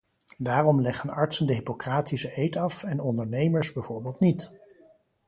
Daarom leggen artsen de hippocratische eed af, en ondernemers bijvoorbeeld niet.